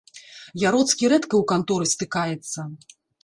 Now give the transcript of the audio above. Яроцкі рэдка ў канторы стыкаецца.